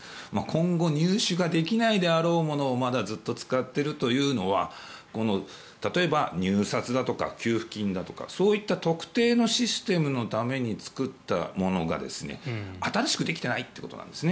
今後、入手ができないであろうものを今もずっと使っているというのは例えば入札だとか給付金だとかそういった特定のシステムのために作ったものが新しくできていないということなんです。